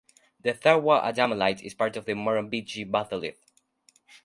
The Tharwa Adamellite is part of the Murrumbidgee Batholith.